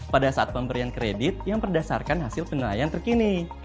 pada saat pemberian kredit yang berdasarkan hasil penilaian terkini